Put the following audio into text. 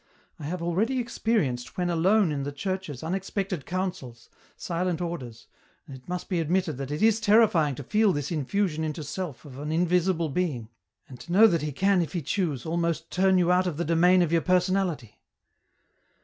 "J have alreadj experienced when alone ir the churche? unexpected counsels silent orders, and it must be admitted that it is terrifying tc feel this infusion into self ot an invisible being, and to know that he can il he choose, almost turr yov out of the domain of your personality.